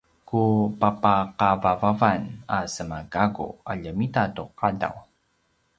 ku papakavavavan a sema gakku a ljemita tu qadaw